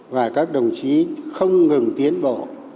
và các đồng chí không ngừng tiến bộ